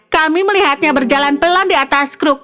kami melihatnya berjalan pelan di atas kruk